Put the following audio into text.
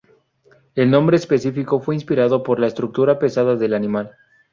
El nombre específico fue inspirado por la estructura pesada del animal.